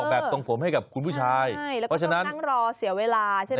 ออกแบบทรงผมให้กับคุณผู้ชายเพราะฉะนั้นก็ต้องนั่งรอเสียเวลาใช่ไหมคะ